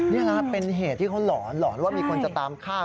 นี่แหละเป็นเหตุที่เขาหลอนหลอนว่ามีคนจะตามฆ่า